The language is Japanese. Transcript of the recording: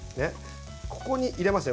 ここに入れますよ